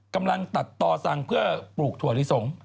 กำลังตัดต่อสั่งเพื่อปลูกถั่วลิสง